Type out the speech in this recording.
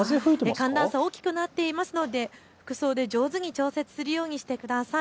寒暖差が大きくなっているので服装で上手に調整するようにしてください。